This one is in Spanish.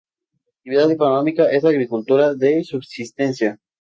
Actividad económica es la agricultura de subsistencia.